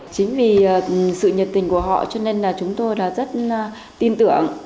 chính vì sự nhiệt tình của họ cho nên là chúng tôi rất tin tưởng